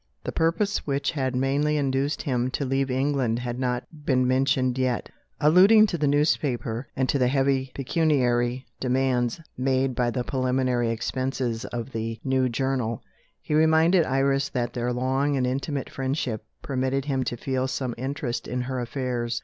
The purpose which had mainly induced him to leave England had not been mentioned yet. Alluding to the newspaper, and to the heavy pecuniary demands made by the preliminary expenses of the new journal, he reminded Iris that their long and intimate friendship permitted him to feel some interest in her affairs.